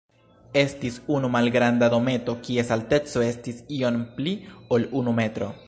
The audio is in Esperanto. Estis unu malgranda dometo, kies alteco estis iom pli ol unu metro.